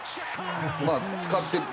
まあ使って。